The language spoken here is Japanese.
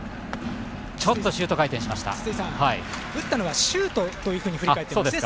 打ったのはシュートというふうに振り返っているんですね